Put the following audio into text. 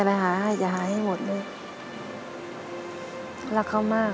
พี่กบคะ